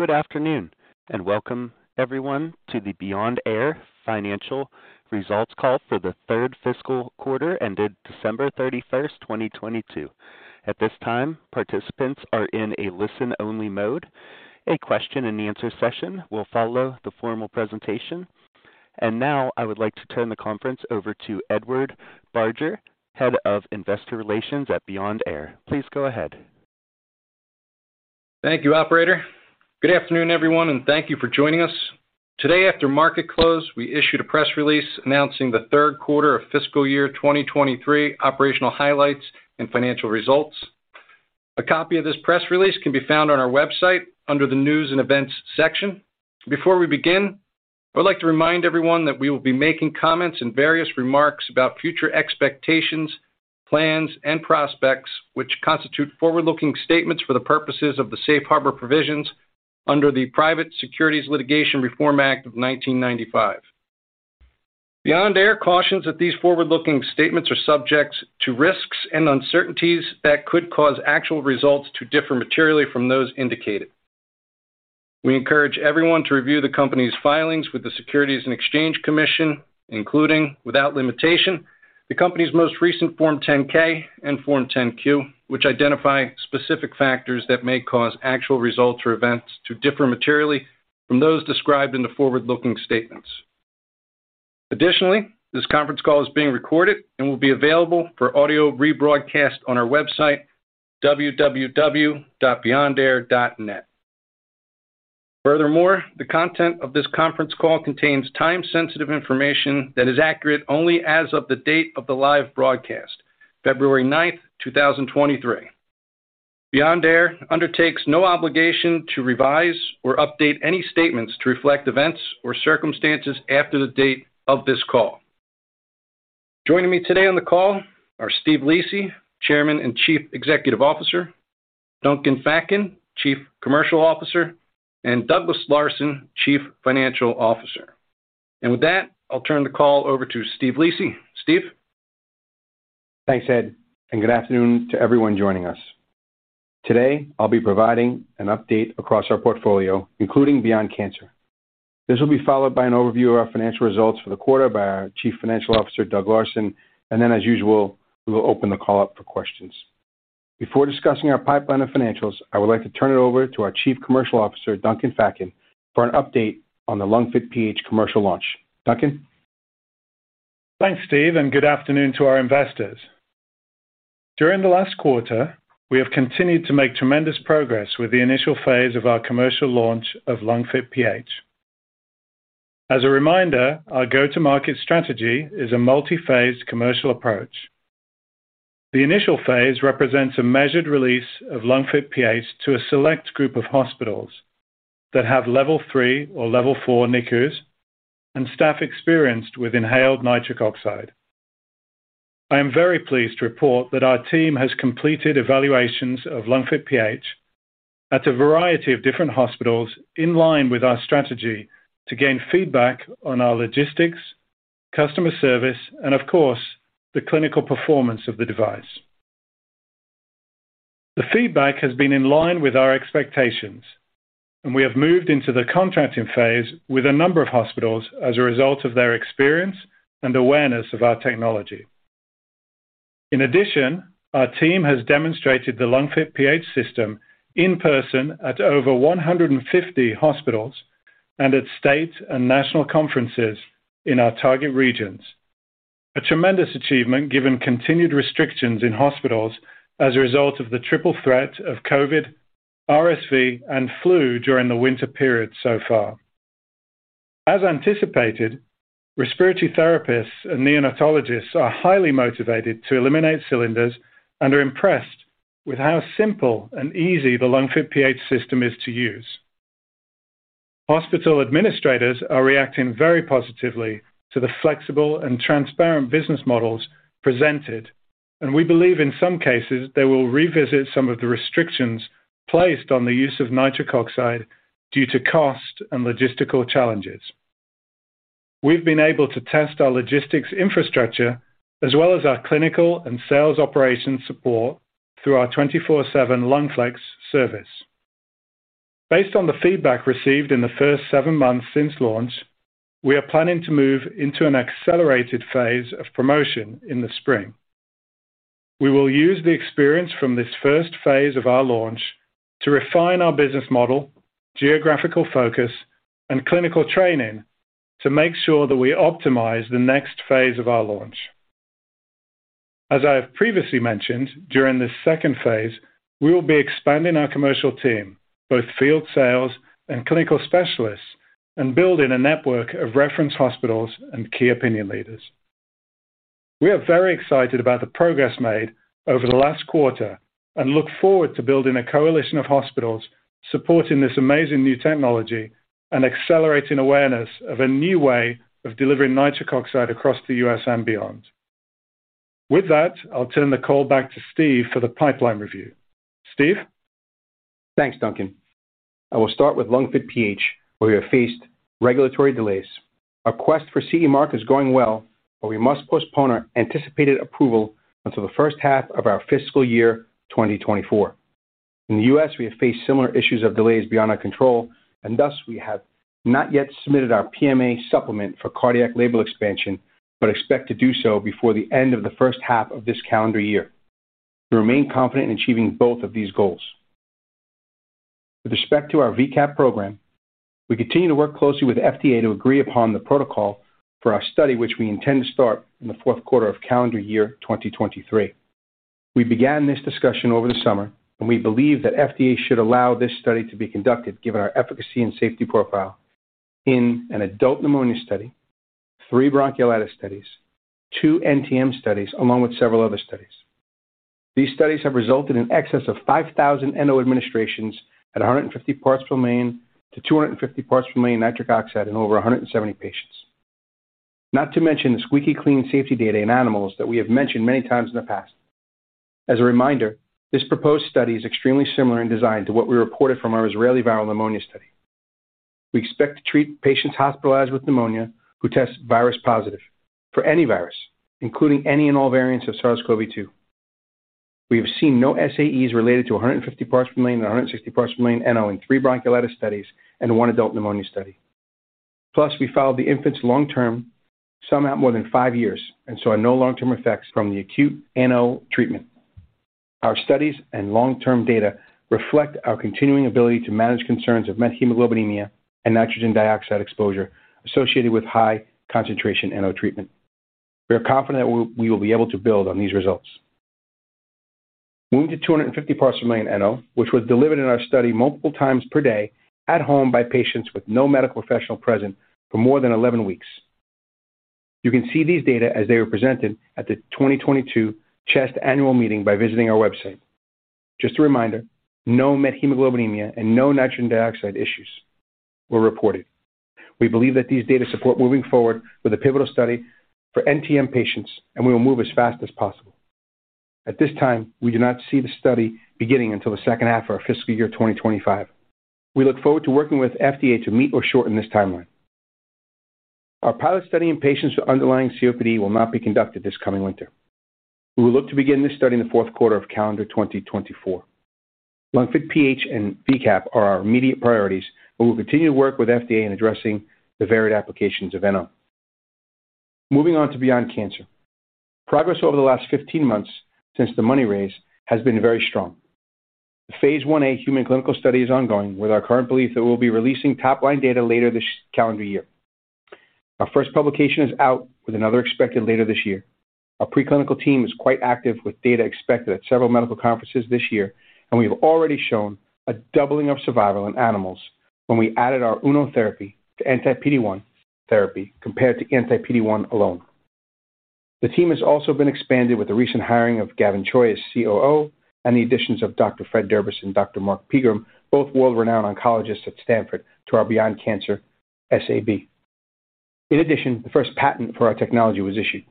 Good afternoon, welcome everyone to the Beyond Air financial results call for the third fiscal quarter ended December 31st, 2022. At this time, participants are in a listen-only mode. A question and answer session will follow the formal presentation. Now I would like to turn the conference over to Edward Barger, Head of Investor Relations at Beyond Air. Please go ahead. Thank you, operator. Good afternoon, everyone, and thank you for joining us. Today after market close, we issued a press release announcing the third quarter of fiscal year 2023 operational highlights and financial results. A copy of this press release can be found on our website under the News and Events section. Before we begin, I would like to remind everyone that we will be making comments and various remarks about future expectations, plans and prospects which constitute forward-looking statements for the purposes of the safe harbor provisions under the Private Securities Litigation Reform Act of 1995. Beyond Air cautions that these forward-looking statements are subjects to risks and uncertainties that could cause actual results to differ materially from those indicated. We encourage everyone to review the company's filings with the Securities and Exchange Commission, including, without limitation, the company's most recent form 10-K and form 10-Q, which identify specific factors that may cause actual results or events to differ materially from those described in the forward-looking statements. Additionally, this conference call is being recorded and will be available for audio rebroadcast on our website, www.beyondair.net. Furthermore, the content of this conference call contains time-sensitive information that is accurate only as of the date of the live broadcast, February ninth, two thousand twenty-three. Beyond Air undertakes no obligation to revise or update any statements to reflect events or circumstances after the date of this call. Joining me today on the call are Steve Lisi, Chairman and Chief Executive Officer; Duncan Fatkin, Chief Commercial Officer; and Douglas Larson, Chief Financial Officer. With that, I'll turn the call over to Steve Lisi. Steve. Thanks, Ed, and good afternoon to everyone joining us. Today, I'll be providing an update across our portfolio, including Beyond Cancer. This will be followed by an overview of our financial results for the quarter by our Chief Financial Officer, Doug Larson. As usual, we will open the call up for questions. Before discussing our pipeline of financials, I would like to turn it over to our Chief Commercial Officer, Duncan Fatkin, for an update on the LungFit PH commercial launch. Duncan. Thanks, Steve. Good afternoon to our investors. During the last quarter, we have continued to make tremendous progress with the initial phase of our commercial launch of LungFit PH. As a reminder, our go-to-market strategy is a multi-phase commercial approach. The initial phase represents a measured release of LungFit PH to a select group of hospitals that have level three or level four NICUs and staff experienced with inhaled nitric oxide. I am very pleased to report that our team has completed evaluations of LungFit PH at a variety of different hospitals in line with our strategy to gain feedback on our logistics, customer service and of course, the clinical performance of the device. The feedback has been in line with our expectations. We have moved into the contracting phase with a number of hospitals as a result of their experience and awareness of our technology. In addition, our team has demonstrated the LungFit PH system in person at over 150 hospitals and at state and national conferences in our target regions. A tremendous achievement given continued restrictions in hospitals as a result of the triple threat of COVID-19, RSV and flu during the winter period so far. As anticipated, respiratory therapists and neonatologists are highly motivated to eliminate cylinders and are impressed with how simple and easy the LungFit PH system is to use. Hospital administrators are reacting very positively to the flexible and transparent business models presented, and we believe in some cases they will revisit some of the restrictions placed on the use of nitric oxide due to cost and logistical challenges. We've been able to test our logistics infrastructure as well as our clinical and sales operations support through our 24/7 LungFlex service. Based on the feedback received in the first seven months since launch, we are planning to move into an accelerated phase of promotion in the spring. We will use the experience from this first phase of our launch to refine our business model, geographical focus and clinical training to make sure that we optimize the next phase of our launch. As I have previously mentioned, during this second phase, we will be expanding our commercial team, both field sales and clinical specialists, and building a network of reference hospitals and key opinion leaders. We are very excited about the progress made over the last quarter and look forward to building a coalition of hospitals supporting this amazing new technology and accelerating awareness of a new way of delivering nitric oxide across the U.S. and beyond. With that, I'll turn the call back to Steve for the pipeline review. Steve. Thanks, Duncan. I will start with LungFit PH, where we have faced regulatory delays. Our quest for CE mark is going well, but we must postpone our anticipated approval until the first half of our fiscal year 2024. In the U.S., we have faced similar issues of delays beyond our control, and thus we have not yet submitted our PMA supplement for cardiac label expansion, but expect to do so before the end of the first half of this calendar year. We remain confident in achieving both of these goals. With respect to our VCAP program, we continue to work closely with FDA to agree upon the protocol for our study, which we intend to start in the fourth quarter of calendar year 2023. We began this discussion over the summer, and we believe that FDA should allow this study to be conducted given our efficacy and safety profile in an adult pneumonia study, three bronchiolitis studies, two NTM studies, along with several other studies. These studies have resulted in excess of 5,000 NO administrations at 150 parts per million to 250 parts per million nitric oxide in over 170 patients. Not to mention the squeaky clean safety data in animals that we have mentioned many times in the past. As a reminder, this proposed study is extremely similar in design to what we reported from our Israeli viral pneumonia study. We expect to treat patients hospitalized with pneumonia who test virus positive for any virus, including any and all variants of SARS-CoV-2. We have seen no SAEs related to 150 parts per million and 160 parts per million NO in three bronchiolitis studies and one adult pneumonia study. We followed the infants long-term, some out more than 5 years, and saw no long-term effects from the acute iNO treatment. Our studies and long-term data reflect our continuing ability to manage concerns of methemoglobinemia and nitrogen dioxide exposure associated with high concentration iNO treatment. We are confident we will be able to build on these results. Moving to 250 parts per million iNO, which was delivered in our study multiple times per day at home by patients with no medical professional present for more than 11 weeks. You can see these data as they were presented at the 2022 CHEST Annual Meeting by visiting our website. Just a reminder, no methemoglobinemia and no nitrogen dioxide issues were reported. We believe that these data support moving forward with a pivotal study for NTM patients, and we will move as fast as possible. At this time, we do not see the study beginning until the second half of our fiscal year 2025. We look forward to working with FDA to meet or shorten this timeline. Our pilot study in patients with underlying COPD will not be conducted this coming winter. We will look to begin this study in the fourth quarter of calendar 2024. LungFit PH and VCAP are our immediate priorities, but we'll continue to work with FDA in addressing the varied applications of iNO. Moving on to Beyond Cancer. Progress over the last 15 months since the money raise has been very strong. The phase Ia human clinical study is ongoing, with our current belief that we'll be releasing top-line data later this calendar year. Our first publication is out with another expected later this year. Our preclinical team is quite active with data expected at several medical conferences this year. We have already shown a doubling of survival in animals when we added our UNO therapy to anti-PD-1 therapy compared to anti-PD-1 alone. The team has also been expanded with the recent hiring of Gavin Choy as COO and the additions of Dr. Fred Dirbas and Dr. Mark Pegram, both world-renowned oncologists at Stanford, to our Beyond Cancer SAB. The first patent for our technology was issued.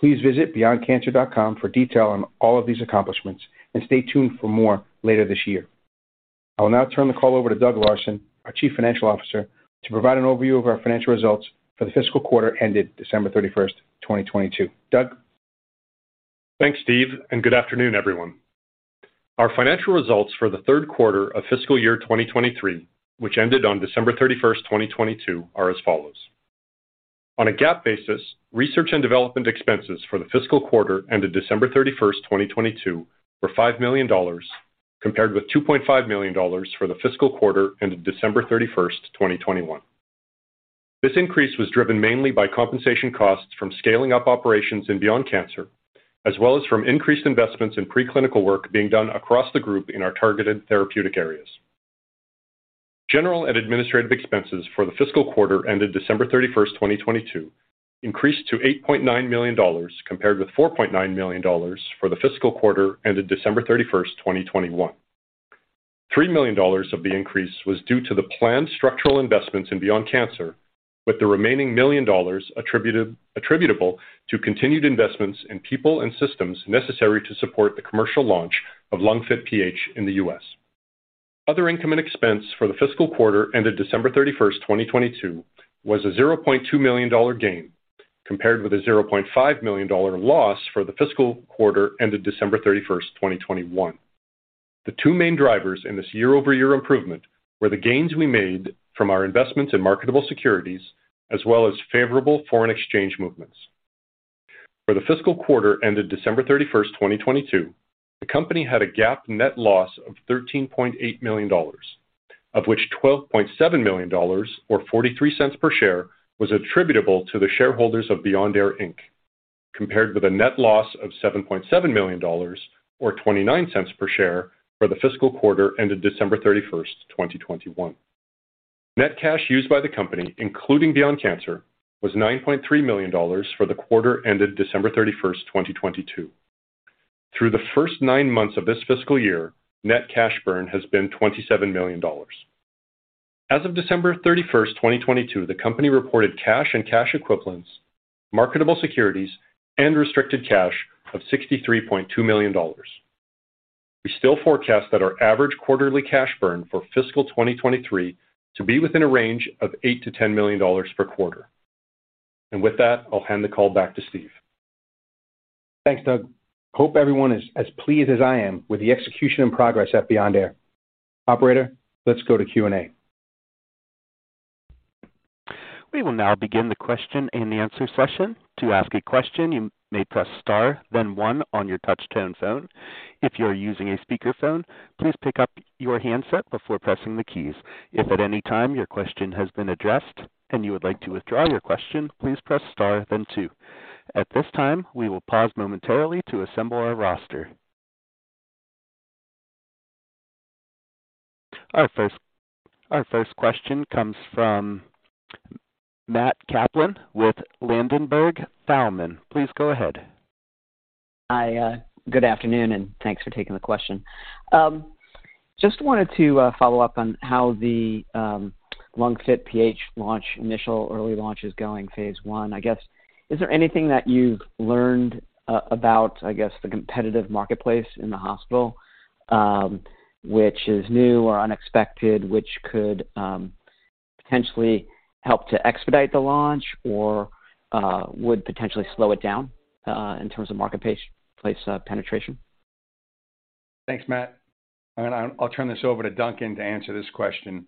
Please visit beyondcancer.com for detail on all of these accomplishments and stay tuned for more later this year. I will now turn the call over to Doug Larson, our chief financial officer, to provide an overview of our financial results for the fiscal quarter ended December 31st, 2022. Doug? Thanks, Steve, good afternoon, everyone. Our financial results for the third quarter of fiscal year 2023, which ended on December 31, 2022, are as follows. On a GAAP basis, research and development expenses for the fiscal quarter ended December 31, 2022 were $5 million, compared with $2.5 million for the fiscal quarter ended December 31, 2021. This increase was driven mainly by compensation costs from scaling up operations in Beyond Cancer, as well as from increased investments in preclinical work being done across the group in our targeted therapeutic areas. General and administrative expenses for the fiscal quarter ended December 31, 2022 increased to $8.9 million, compared with $4.9 million for the fiscal quarter ended December 31, 2021. $3 million of the increase was due to the planned structural investments in Beyond Cancer, with the remaining $1 million attributable to continued investments in people and systems necessary to support the commercial launch of LungFit PH in the U.S. Other income and expense for the fiscal quarter ended December 31, 2022 was a $0.2 million gain, compared with a $0.5 million loss for the fiscal quarter ended December 31, 2021. The two main drivers in this year-over-year improvement were the gains we made from our investments in marketable securities, as well as favorable foreign exchange movements. For the fiscal quarter ended December 31, 2022, the company had a GAAP net loss of $13.8 million, of which $12.7 million or $0.43 per share was attributable to the shareholders of Beyond Air, Inc., compared with a net loss of $7.7 million or $0.29 per share for the fiscal quarter ended December 31, 2021. Net cash used by the company, including Beyond Cancer, was $9.3 million for the quarter ended December 31, 2022. Through the first 9 months of this fiscal year, net cash burn has been $27 million. As of December 31, 2022, the company reported cash and cash equivalents, marketable securities, and restricted cash of $63.2 million. We still forecast that our average quarterly cash burn for fiscal 2023 to be within a range of $8 million-$10 million per quarter. With that, I'll hand the call back to Steve. Thanks, Doug. Hope everyone is as pleased as I am with the execution and progress at Beyond Air. Operator, let's go to Q&A. We will now begin the question-and-answer session. To ask a question, you may press star then one on your touch-tone phone. If you are using a speakerphone, please pick up your handset before pressing the keys. If at any time your question has been addressed and you would like to withdraw your question, please press star then two. At this time, we will pause momentarily to assemble our roster. Our first question comes from Matt Kaplan with Ladenburg Thalmann. Please go ahead. Hi. Good afternoon, and thanks for taking the question. Just wanted to follow up on how the LungFit PH launch initial early launch is going, phase I. I guess, is there anything that you've learned about, I guess the competitive marketplace in the hospital, which is new or unexpected, which could potentially help to expedite the launch or would potentially slow it down, in terms of marketplace penetration? Thanks, Matt. I'll turn this over to Duncan to answer this question.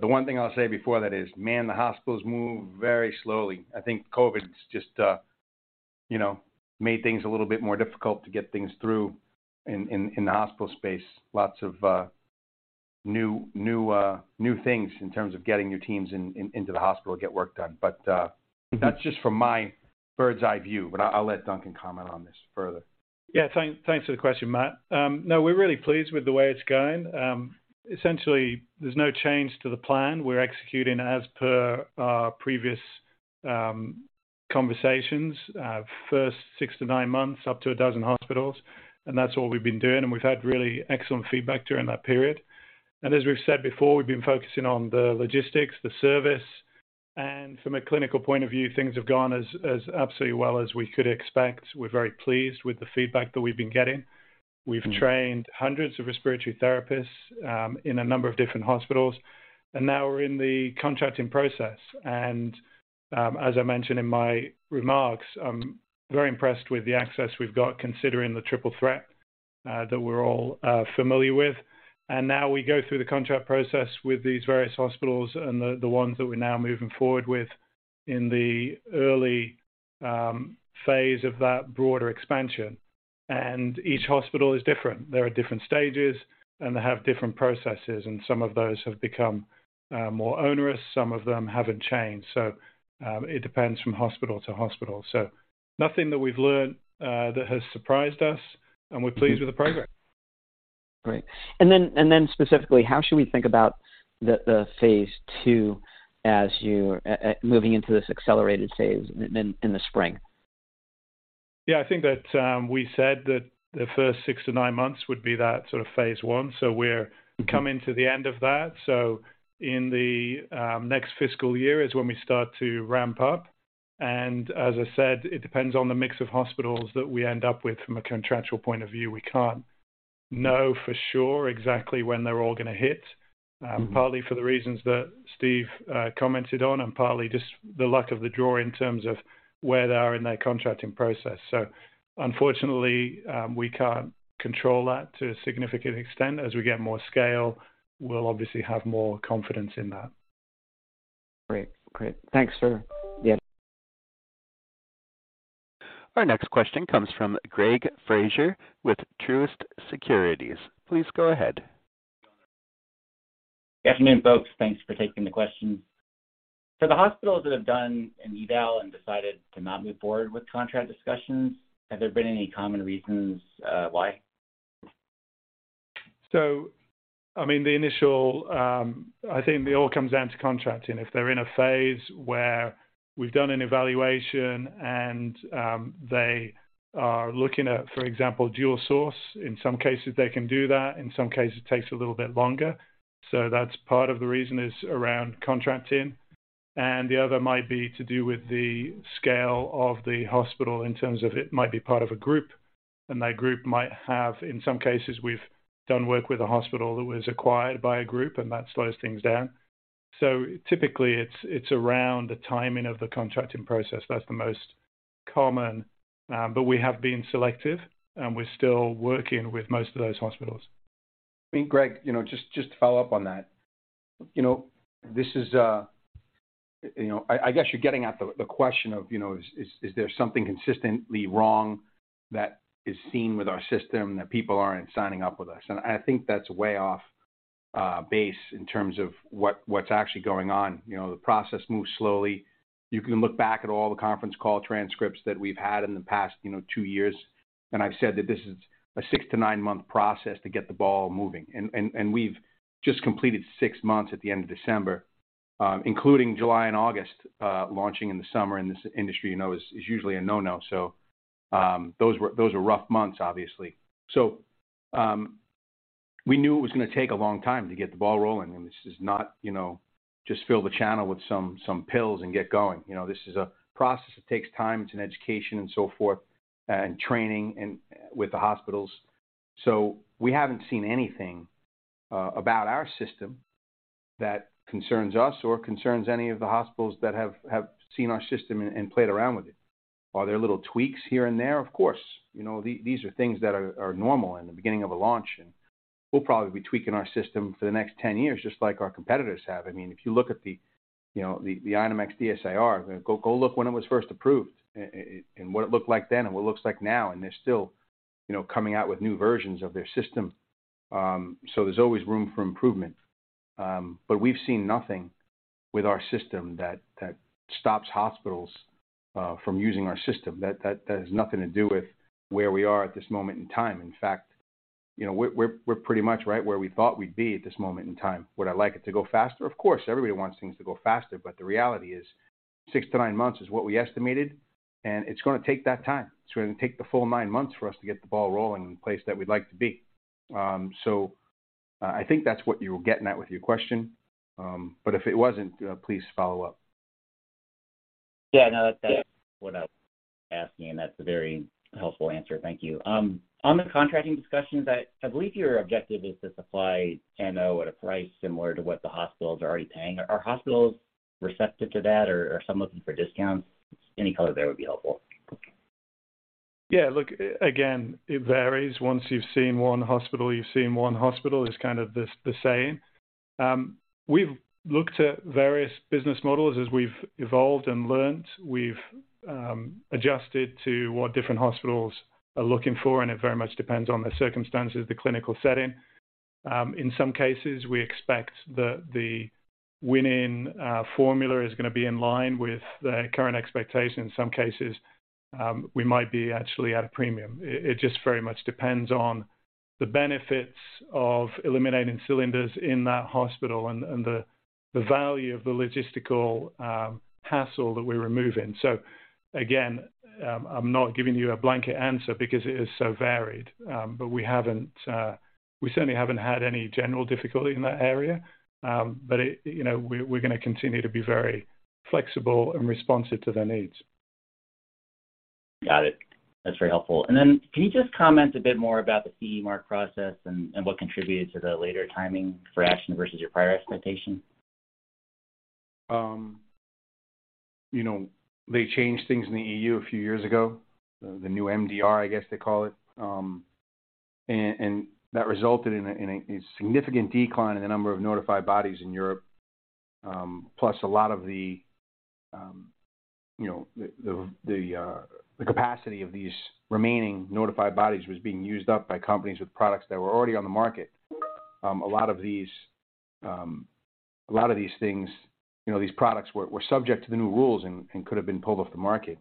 The one thing I'll say before that is, man, the hospitals move very slowly. I think COVID's just, you know, made things a little bit more difficult to get things through in the hospital space. Lots of new things in terms of getting your teams into the hospital to get work done. That's just from my bird's-eye view. I'll let Duncan comment on this further. Thanks for the question, Matt. No, we're really pleased with the way it's going. Essentially, there's no change to the plan. We're executing as per our previous conversations. First 6-9 months, up to 12 hospitals. That's all we've been doing, and we've had really excellent feedback during that period. As we've said before, we've been focusing on the logistics, the service, and from a clinical point of view, things have gone as absolutely well as we could expect. We're very pleased with the feedback that we've been getting. We've trained hundreds of respiratory therapists in a number of different hospitals. Now we're in the contracting process. As I mentioned in my remarks, I'm very impressed with the access we've got, considering the triple threat that we're all familiar with. Now we go through the contract process with these various hospitals and the ones that we're now moving forward with in the early phase of that broader expansion. Each hospital is different. There are different stages, and they have different processes, and some of those have become more onerous, some of them haven't changed. It depends from hospital to hospital. Nothing that we've learned that has surprised us, and we're pleased with the progress. Great. Then specifically, how should we think about the phase II as you're moving into this accelerated phase in the spring? I think that we said that the first 6-9 months would be that sort of phase I. We're coming to the end of that. In the next fiscal year is when we start to ramp up. As I said, it depends on the mix of hospitals that we end up with from a contractual point of view. We can't know for sure exactly when they're all gonna hit, partly for the reasons that Steve commented on and partly just the luck of the draw in terms of where they are in their contracting process. Unfortunately, we can't control that to a significant extent. As we get more scale, we'll obviously have more confidence in that. Great. Great. Thanks for the. Our next question comes from Greg Fraser with Truist Securities. Please go ahead. Good afternoon, folks. Thanks for taking the question. For the hospitals that have done an eval and decided to not move forward with contract discussions, have there been any common reasons why? I mean, the initial, I think it all comes down to contracting. If they're in a phase where we've done an evaluation and they are looking at, for example, dual source. In some cases, they can do that. In some cases, it takes a little bit longer. That's part of the reason is around contracting. The other might be to do with the scale of the hospital in terms of it might be part of a group, and that group might have. In some cases, we've done work with a hospital that was acquired by a group, and that slows things down. Typically, it's around the timing of the contracting process. That's the most common. We have been selective, and we're still working with most of those hospitals. I think, Greg, you know, just to follow up on that. You know, this is. You know, I guess you're getting at the question of, you know, is there something consistently wrong that is seen with our system that people aren't signing up with us? I think that's way off base in terms of what's actually going on. You know, the process moves slowly. You can look back at all the conference call transcripts that we've had in the past, you know, 2 years, and I've said that this is a 6-9-month process to get the ball moving. We've just completed 6 months at the end of December, including July and August. Launching in the summer in this industry, you know, is usually a no-no. Those were rough months, obviously. We knew it was going to take a long time to get the ball rolling, and this is not, you know, just fill the channel with some pills and get going. You know, this is a process that takes time. It's an education and so forth, and training and with the hospitals. We haven't seen anything about our system that concerns us or concerns any of the hospitals that have seen our system and played around with it. Are there little tweaks here and there? Of course. You know, these are things that are normal in the beginning of a launch, and we'll probably be tweaking our system for the next 10 years, just like our competitors have. I mean, if you look at the, you know, the INOmax DSIR, go look when it was first approved and what it looked like then and what it looks like now, and they're still, you know, coming out with new versions of their system. There's always room for improvement. We've seen nothing with our system that stops hospitals from using our system. That has nothing to do with where we are at this moment in time. In fact, you know, we're pretty much right where we thought we'd be at this moment in time. Would I like it to go faster? Of course. Everybody wants things to go faster. The reality is 6-9 months is what we estimated, and it's gonna take that time. It's gonna take the full 9 months for us to get the ball rolling in the place that we'd like to be. I think that's what you're getting at with your question. If it wasn't, please follow up. Yeah, no. That's what I'm asking, and that's a very helpful answer. Thank you. On the contracting discussions, I believe your objective is to supply T-UNO at a price similar to what the hospitals are already paying. Are hospitals receptive to that, or are some looking for discounts? Any color there would be helpful. Yeah. Look, again, it varies. Once you've seen one hospital, you've seen one hospital. It's kind of the same. We've looked at various business models as we've evolved and learned. We've adjusted to what different hospitals are looking for, and it very much depends on the circumstances, the clinical setting. In some cases, we expect that the win in formula is going to be in line with the current expectation. In some cases, we might be actually at a premium. It just very much depends on the benefits of eliminating cylinders in that hospital and the value of the logistical hassle that we're removing. Again, I'm not giving you a blanket answer because it is so varied. We haven't, we certainly haven't had any general difficulty in that area. You know, we're gonna continue to be very flexible and responsive to their needs. Got it. That's very helpful. Then can you just comment a bit more about the CE mark process and what contributed to the later timing for action versus your prior expectation? You know, they changed things in the EU a few years ago, the new MDR, I guess they call it. That resulted in a significant decline in the number of notified bodies in Europe. A lot of the, you know, the capacity of these remaining notified bodies was being used up by companies with products that were already on the market. A lot of these things, you know, these products were subject to the new rules and could have been pulled off the market.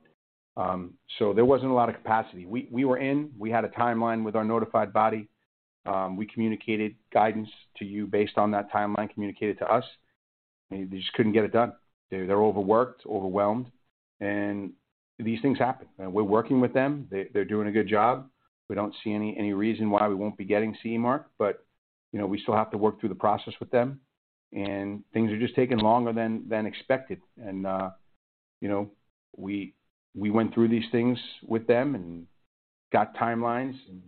There wasn't a lot of capacity. We were in. We had a timeline with our notified body. We communicated guidance to you based on that timeline communicated to us. They just couldn't get it done. They're overworked, overwhelmed, and these things happen. We're working with them. They're doing a good job. We don't see any reason why we won't be getting CE mark, but, you know, we still have to work through the process with them. Things are just taking longer than expected. You know, we went through these things with them and got timelines and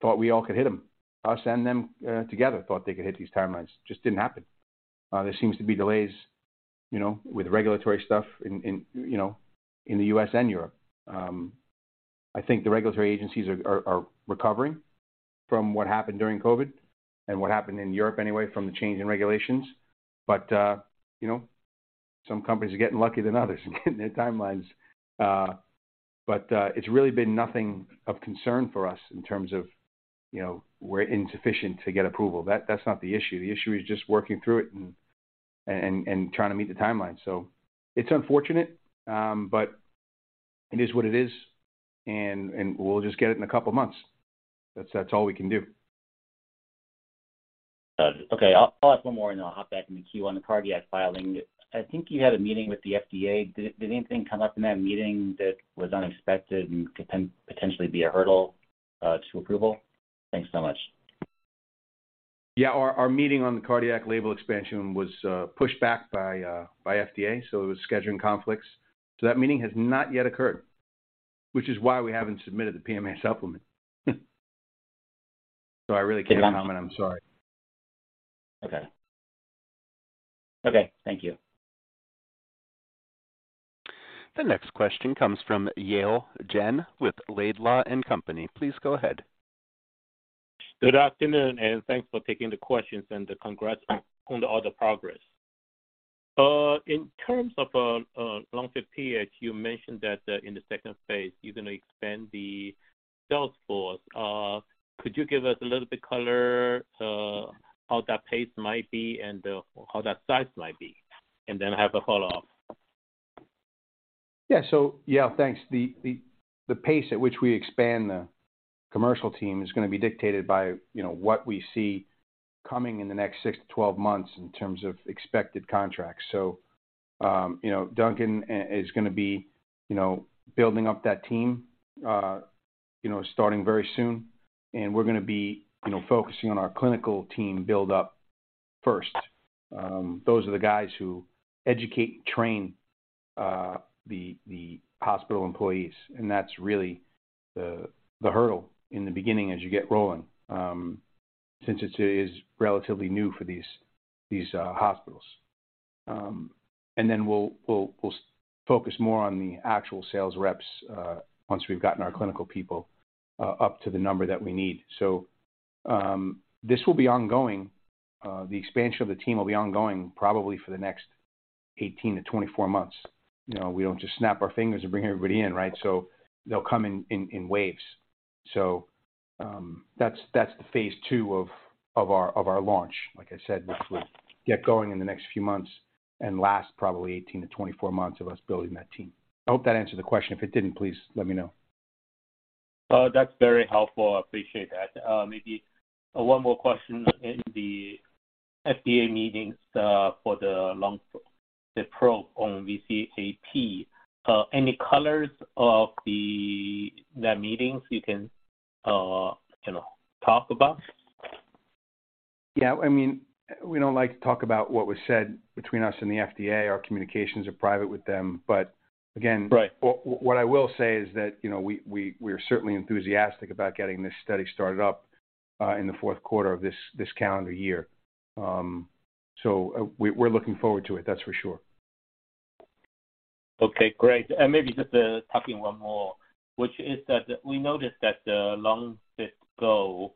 thought we all could hit them. Us and them, together thought they could hit these timelines. Just didn't happen. There seems to be delays, you know, with regulatory stuff in, you know, in the U.S. and Europe. I think the regulatory agencies are recovering from what happened during COVID and what happened in Europe, anyway, from the change in regulations. You know, some companies are getting luckier than others in getting their timelines. It's really been nothing of concern for us in terms of, you know, we're insufficient to get approval. That's not the issue. The issue is just working through it and trying to meet the timeline. It's unfortunate, but it is what it is, and we'll just get it in a couple of months. That's all we can do. Okay. I'll ask one more, and then I'll hop back in the queue. On the cardiac filing, I think you had a meeting with the FDA. Did anything come up in that meeting that was unexpected and could potentially be a hurdle to approval? Thanks so much. Yeah. Our meeting on the cardiac label expansion was pushed back by FDA. It was scheduling conflicts. That meeting has not yet occurred, which is why we haven't submitted the PMA supplement. I really can't comment. I'm sorry. Okay. Okay, thank you. The next question comes from Yale Jen with Laidlaw & Company. Please go ahead. Good afternoon, and thanks for taking the questions, and congrats on all the progress. In terms of LungFit PH, you mentioned that in the second phase you're gonna expand the sales force. Could you give us a little bit color, how that pace might be and how that size might be? And then I have a follow-up. Yeah. Yeah, thanks. The pace at which we expand the commercial team is gonna be dictated by, you know, what we see coming in the next 6-12 months in terms of expected contracts. Duncan is gonna be, you know, building up that team, you know, starting very soon. We're gonna be, you know, focusing on our clinical team build-up first. Those are the guys who educate and train the hospital employees, and that's really the hurdle in the beginning as you get rolling, since it's relatively new for these hospitals. We'll focus more on the actual sales reps once we've gotten our clinical people up to the number that we need. This will be ongoing. The expansion of the team will be ongoing probably for the next 18-24 months. You know, we don't just snap our fingers and bring everybody in, right? They'll come in waves. That's the phase II of our launch. Like I said, which we'll get going in the next few months and last probably 18-24 months of us building that team. I hope that answered the question. If it didn't, please let me know. That's very helpful. Appreciate that. Maybe one more question. In the FDA meetings, for the LungFit PRO on VCAP, any colors of the meetings you can, you know, talk about? Yeah. I mean, we don't like to talk about what was said between us and the FDA. Our communications are private with them. again. What I will say is that, you know, we're certainly enthusiastic about getting this study started up in the fourth quarter of this calendar year. We're looking forward to it, that's for sure. Okay, great. Maybe just tacking one more, which is that we noticed that the LungFit GO,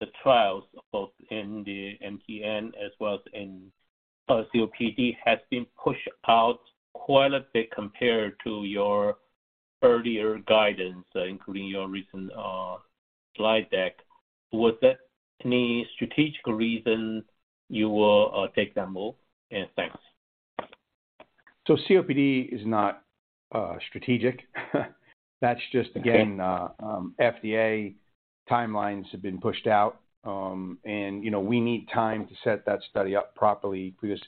the trials both in the NTM as well as in COPD has been pushed out quite a bit compared to your earlier guidance, including your recent slide deck. Was that any strategic reason you will take them both? Thanks. COPD is not, strategic. That's just. FDA timelines have been pushed out. You know, we need time to set that study up properly because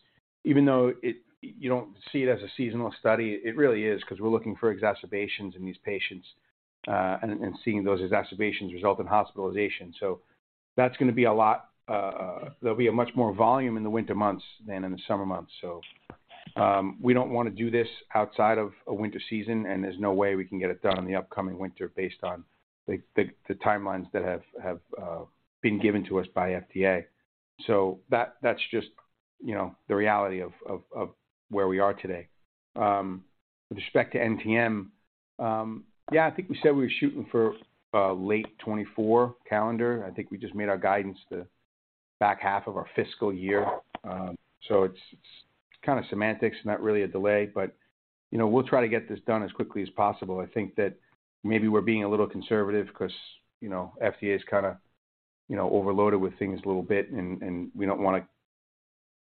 even though it you don't see it as a seasonal study, it really is 'cause we're looking for exacerbations in these patients, and seeing those exacerbations result in hospitalization. That's 'gonna be a lot. There'll be a much more volume in the winter months than in the summer months. We don't 'wanna do this outside of a winter season, and there's no way we can get it done in the upcoming winter based on the timelines that have been given to us by FDA. That's just, you know, the reality of where we are today. With respect to NTM, yeah, I think we said we were shooting for late 2024 calendar. I think we just made our guidance the back half of our fiscal year. It's kinda semantics, not really a delay, but, you know, we'll try to get this done as quickly as possible. I think that maybe we're being a little conservative 'cause, you know, FDA is kinda, you know, overloaded with things a little bit and we don't wanna.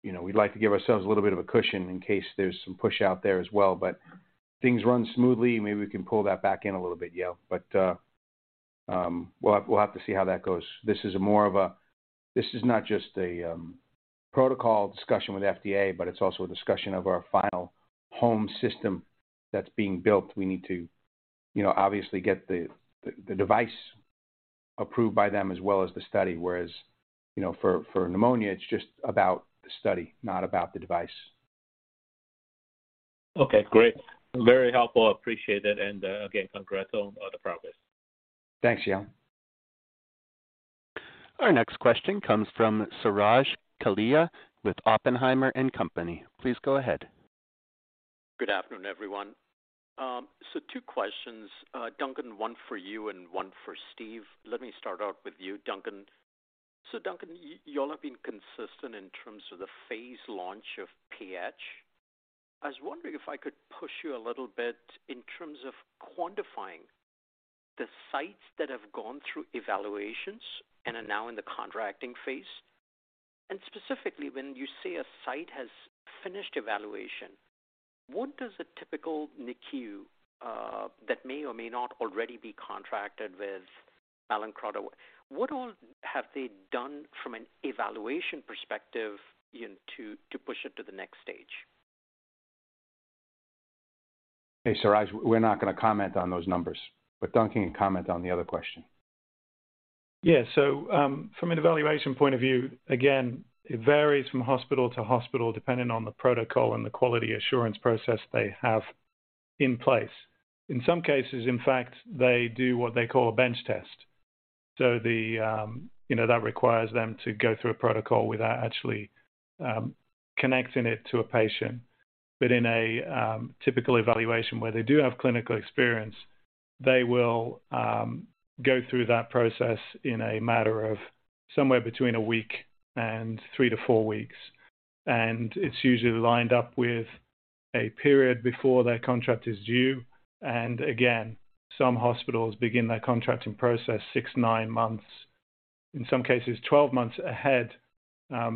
You know, we'd like to give ourselves a little bit of a cushion in case there's some push out there as well. If things run smoothly, maybe we can pull that back in a little bit, Yao. We'll have to see how that goes. This is more of a. This is not just a protocol discussion with FDA, but it's also a discussion of our final home system that's being built. We need to, you know, obviously get the device approved by them as well as the study, whereas, you know, for pneumonia it's just about the study, not about the device. Okay, great. Very helpful. Appreciate it. Again, congrats on the progress. Thanks, Yale. Our next question comes from Suraj Kalia with Oppenheimer & Co. Please go ahead. Good afternoon, everyone. Two questions. Duncan, one for you and one for Steve. Let me start out with you, Duncan. Duncan, y'all have been consistent in terms of the phased launch of PH. I was wondering if I could push you a little bit in terms of quantifying the sites that have gone through evaluations and are now in the contracting phase. Specifically, when you say a site has finished evaluation, what does a typical NICU, that may or may not already be contracted with Mallinckrodt, what all have they done from an evaluation perspective, you know, to push it to the next stage? Hey, Suraj, we're not gonna comment on those numbers, but Duncan can comment on the other question. Yeah. From an evaluation point of view, again, it varies from hospital to hospital depending on the protocol and the quality assurance process they have in place. In some cases, in fact, they do what they call a bench test. The, you know, that requires them to go through a protocol without actually connecting it to a patient. In a typical evaluation where they do have clinical experience, they will go through that process in a matter of somewhere between a week and 3-4 weeks. It's usually lined up with a period before their contract is due. Again, some hospitals begin their contracting process 6-9 months, in some cases 12 months ahead,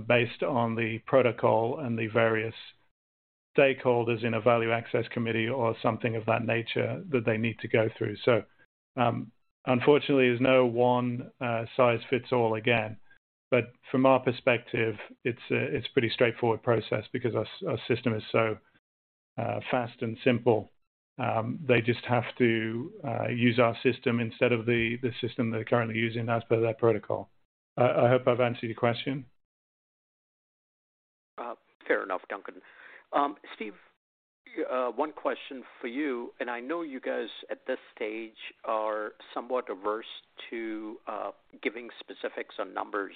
based on the protocol and the various stakeholders in a value access committee or something of that nature that they need to go through. Unfortunately, there's no one size fits all again. From our perspective, it's a pretty straightforward process because our system is so fast and simple. They just have to use our system instead of the system they're currently using as per their protocol. I hope I've answered your question. Fair enough, Duncan. Steve, one question for you. I know you guys at this stage are somewhat averse to giving specifics on numbers.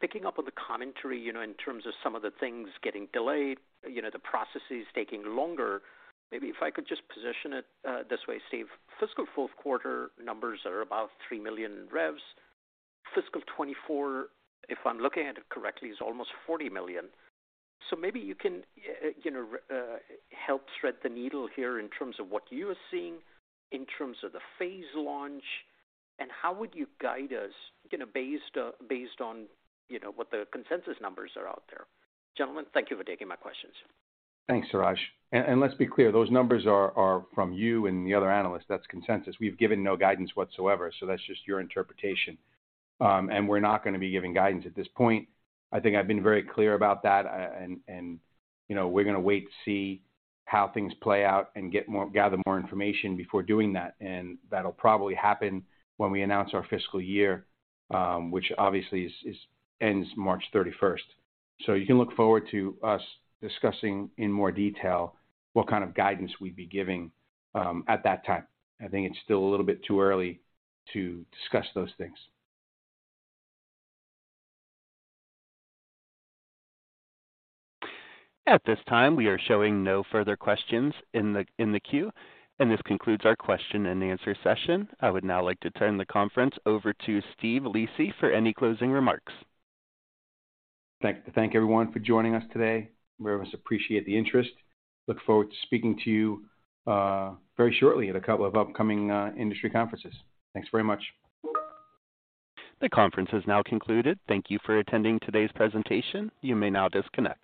Picking up on the commentary, you know, in terms of some of the things getting delayed, you know, the processes taking longer, maybe if I could just position it this way. Steve, fiscal fourth quarter numbers are about $3 million revs. Fiscal 2024, if I'm looking at it correctly, is almost $40 million. Maybe you can, you know, help thread the needle here in terms of what you're seeing, in terms of the phase launch, and how would you guide us, you know, based on, you know, what the consensus numbers are out there? Gentlemen, thank you for taking my questions. Thanks, Suraj. Let's be clear, those numbers are from you and the other analysts. That's consensus. We've given no guidance whatsoever, so that's just your interpretation. We're not gonna be giving guidance at this point. I think I've been very clear about that. You know, we're gonna wait to see how things play out and gather more information before doing that. That'll probably happen when we announce our fiscal year, which obviously ends March 31st. You can look forward to us discussing in more detail what kind of guidance we'd be giving at that time. I think it's still a little bit too early to discuss those things. At this time, we are showing no further questions in the queue. This concludes our question and answer session. I would now like to turn the conference over to Steve Lisi for any closing remarks. Thank everyone for joining us today. We always appreciate the interest. Look forward to speaking to you very shortly at a couple of upcoming industry conferences. Thanks very much. The conference has now concluded. Thank you for attending today's presentation. You may now disconnect.